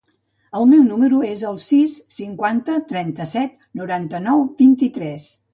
El meu número es el sis, cinquanta, trenta-set, noranta-nou, vint-i-tres.